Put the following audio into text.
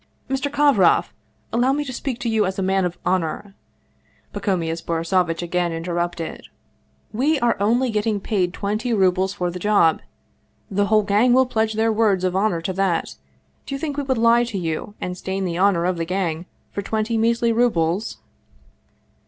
Mr. Kovroff ! Allow me to speak to you as a man of honor !" Pacomius Borisovitch again interrupted. " We are only getting twenty rubles for the job. The whole gang will pledge their words of honor to that. Do you think we would lie to you and stain the honor of the gang for twenty measly rubles